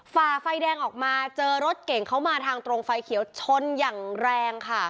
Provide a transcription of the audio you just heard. ฝ่าไฟแดงออกมาเจอรถเก่งเขามาทางตรงไฟเขียวชนอย่างแรงค่ะ